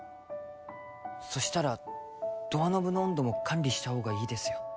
そしたらドアノブの温度も管理したほうがいいですよ